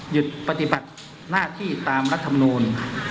หยุดปฏิบัติหน้าที่ตามรัฐมนูล